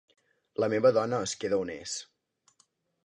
La meva dona es queda on és.